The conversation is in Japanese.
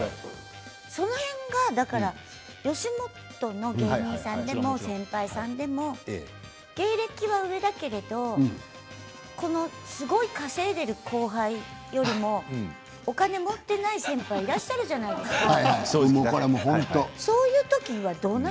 その辺がね、だから吉本の芸人さんでも先輩さんでも芸歴は上だけれどすごい稼いでいる後輩よりもお金を持っていない先輩いらっしゃるじゃないですか。